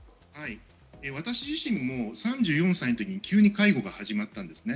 私自身も３４歳のときに急に介護が始まったんです。